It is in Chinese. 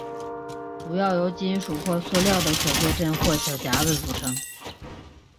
主要由金属或塑料的小别针或小夹子组成。